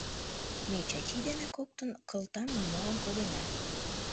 Ме Чачи дене коктын кылтам нумалын кодена.